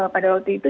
pada waktu itu